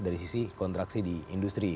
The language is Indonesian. dari sisi kontraksi di industri